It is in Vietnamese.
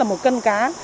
một cân cá